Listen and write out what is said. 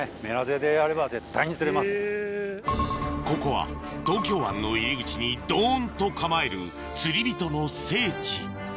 ここは東京湾の入り口にドンと構える釣り人の聖地